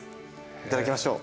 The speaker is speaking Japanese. いただきましょう。